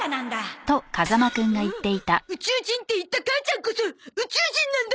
宇宙人って言った母ちゃんこそ宇宙人なんだ！